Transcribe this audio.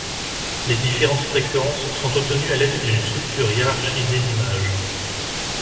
Les différentes fréquences sont obtenues à l'aide d'une structure hiérarchisée d'images.